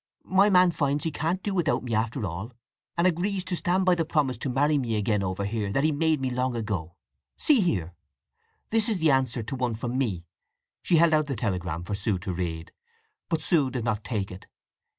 My man finds he can't do without me after all, and agrees to stand by the promise to marry again over here that he has made me all along. See here! This is in answer to one from me." She held out the telegram for Sue to read, but Sue did not take it.